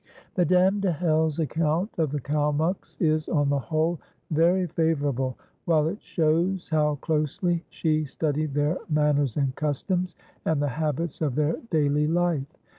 Madame de Hell's account of the Kalmuks is, on the whole, very favourable, while it shows how closely she studied their manners and customs, and the habits of their daily life.